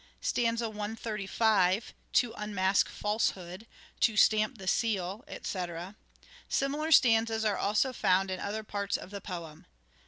Stanza 135 :—' To unmask falsehood," ' To stamp the seal," etc Similar stanzas are also found in other parts of the poem.